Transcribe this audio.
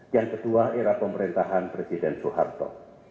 yang kedua era pemerintahan presiden soeharto